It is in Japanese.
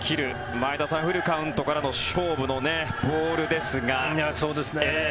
前田さん、フルカウントからの勝負のボールですが。